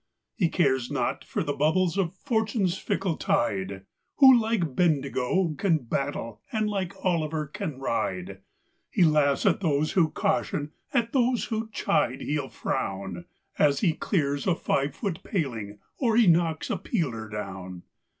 He cares not for the bubbles of Fortune's fickle tide, Who like Bendigo can battle, and like Olliver can ride. He laughs at those who caution, at those who chide he'll frown, As he clears a five foot paling, or he knocks a peeler down.